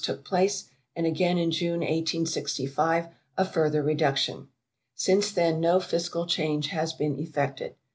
took place, and again in June, 1865, a further reduction. Since then no fiscal change has been effected.